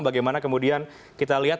bagaimana kemudian kita lihat